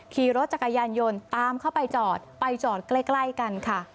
ขี่รถจักรยานยนต์ตามเข้าไปจอดไปจอดใกล้กันค่ะ